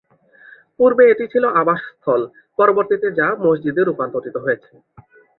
পূর্বে এটি ছিল আবাসস্থল, পরবর্তীতে যা মসজিদে রূপান্তরিত হয়েছে।